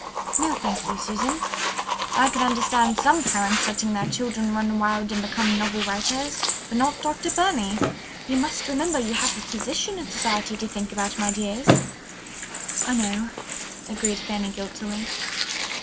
"No, thank you, Susan. I can understand some parents letting their children run wild and become novel writers, but not Dr. Burney. You must remember you have a position in society to think about, my dears." "I know," agreed Fanny guiltily.